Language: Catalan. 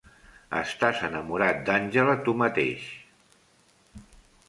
Estàs enamorat d'Angela tu mateix.